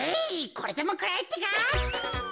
これでもくらえってか。